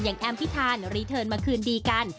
แอมพิธานรีเทิร์นมาคืนดีกัน